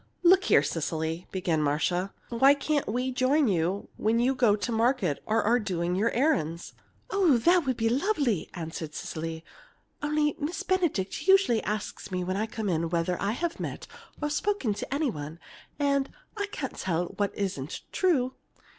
"Look here, Cecily," began Marcia, "why can't we join you when you go to market or are doing your errands?" "Oh, that would be lovely!" answered Cecily "only Miss Benedict usually asks me when I come in whether I have met or spoken to any one, and I can't tell what isn't true!"